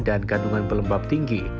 dan kandungan pelembab tinggi